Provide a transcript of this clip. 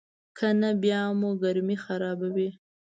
کنه بیا مو ګرمي خرابوي.